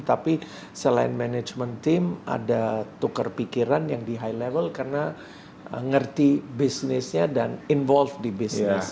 tapi selain management team ada tukar pikiran yang di high level karena ngerti business nya dan involve di business